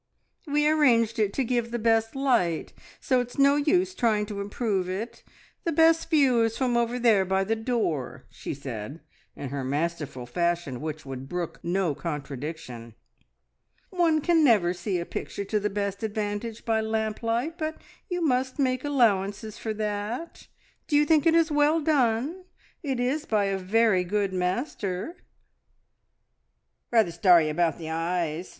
"We arranged it to give the best light, so it's no use trying to improve it. The best view is from over there by the door," she said in her masterful fashion which would brook no contradiction. "One can never see a picture to the best advantage by lamp light, but you must make allowances for that. Do you think it is well done? It is by a very good master!" "Rather starry about the eyes!"